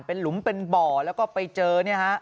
เป็นหลุมเป็นบ่อแล้วก็ไปเจอเนี่ยฮะ